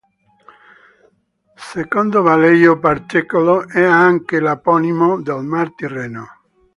Secondo Velleio Patercolo è anche l'eponimo del Mar Tirreno.